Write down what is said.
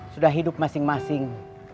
sudah hidup masing masing